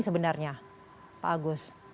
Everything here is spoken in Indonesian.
sebenarnya pak agus